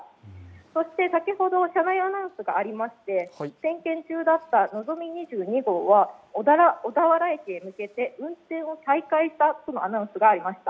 そして先ほど車内アナウンスがありまして点検中だったのぞみ２２号は小田原駅へ向けて運転を再開したとのアナウンスがありました。